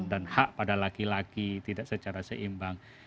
dan hak pada laki laki tidak secara seimbang